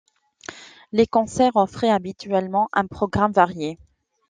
Les concerts offraient habituellement un programme varié.